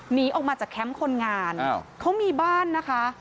หนีออกมาจากแคมป์คนงานเขามีบ้านนะคะ